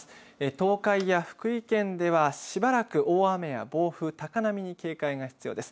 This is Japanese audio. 東海や福井県では、しばらく大雨や暴風、高波に警戒が必要です。